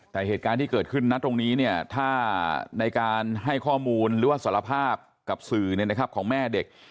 แต่เหตุการณ์ที่เกิดขึ้นนะตรงนี้เนี่ยถ้าในการให้ข้อมูลหรือว่าสารภาพกับสื่อของแม่เด็ก